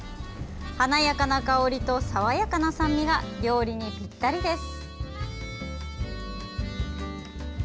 華やかな香りと爽やかな酸味が料理にぴったりです。